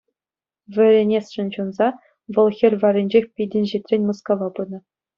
Вӗренесшӗн ҫунса, вӑл хӗл варринчех пит инҫетрен Мускава пынӑ.